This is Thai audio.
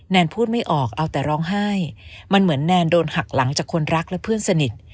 พูดไม่ออกเอาแต่ร้องไห้มันเหมือนแนนโดนหักหลังจากคนรักและเพื่อนสนิท